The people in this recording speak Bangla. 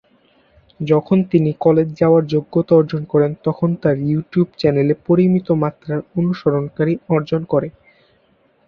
যখন তিনি কলেজে যাওয়ার যোগ্যতা অর্জন করেন, তখন তার ইউটিউব চ্যানেলে পরিমিত মাত্রার অনুসরণকারী অর্জন করে।